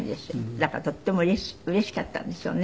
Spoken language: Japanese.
だからとてもうれしかったんでしょうね。